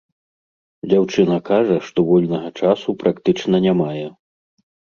Дзяўчына кажа, што вольнага часу практычна не мае.